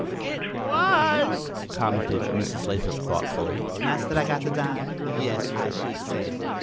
"It was " commented Mrs. Lathrop, thoughtfully. "Nice that I got the dime? yes, I should say.